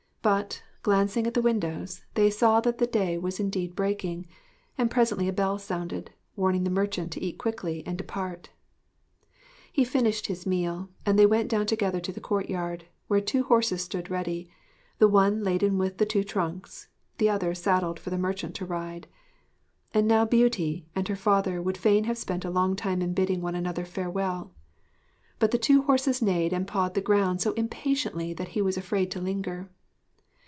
But, glancing at the windows, they saw that day was indeed breaking; and presently a bell sounded, warning the merchant to eat quickly and depart. He finished his meal, and they went down together to the courtyard, where two horses stood ready the one laden with the two trunks, the other saddled for the merchant to ride. And now Beauty and her father would fain have spent a long time in bidding one another farewell. But the two horses neighed and pawed the ground so impatiently that he was afraid to linger.